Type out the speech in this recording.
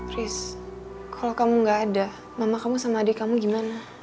chris kalau kamu gak ada mama kamu sama adik kamu gimana